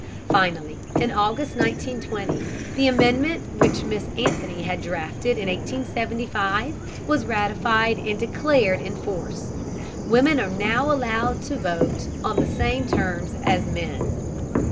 Finally in August, 1920, the amendment which Miss Anthony had drafted in 1875 was ratified and declared in force. Women are now allowed the vote on the same terms as men.